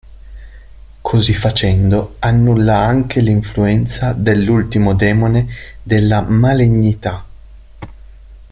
Così facendo annulla anche l'influenza dell'ultimo demone della malignità.